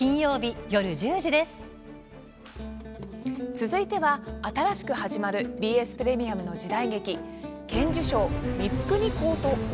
続いては、新しく始まるＢＳプレミアムの時代劇「剣樹抄光圀公と俺」